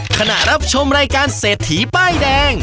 ขณะรับชมรายการเศรษฐีป้ายแดง